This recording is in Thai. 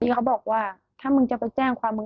เขาบอกว่าถ้ามึงจะไปแจ้งความมึง